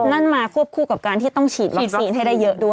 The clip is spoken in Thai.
นั่นมาควบคู่กับการที่ต้องฉีดวัคซีนให้ได้เยอะด้วย